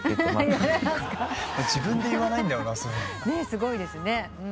すごいですね。